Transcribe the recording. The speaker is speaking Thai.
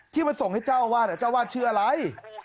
ที่มาส่งให้เจ้าอาวาสอ่ะเจ้าอาวาสชื่ออะไร